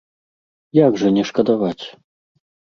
Як жа не шкадаваць?